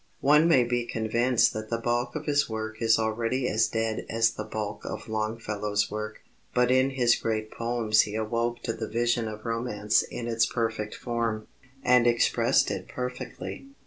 One may be convinced that the bulk of his work is already as dead as the bulk of Longfellow's work. But in his great poems he awoke to the vision of romance in its perfect form, and expressed it perfectly.